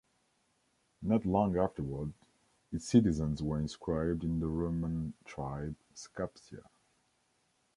Not long afterward, its citizens were inscribed in the Roman tribe "Scaptia".